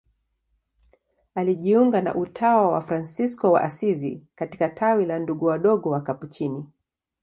Alijiunga na utawa wa Fransisko wa Asizi katika tawi la Ndugu Wadogo Wakapuchini.